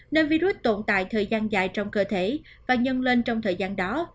nơi virus tồn tại thời gian dài trong cơ thể và nhân lên trong thời gian đó